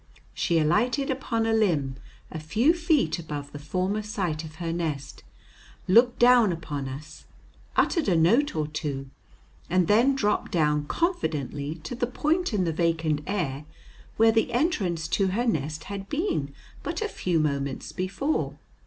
She alighted upon a limb a few feet above the former site of her nest, looked down upon us, uttered a note or two, and then dropped down confidently to the point in the vacant air where the entrance to her nest had been but a few moments before.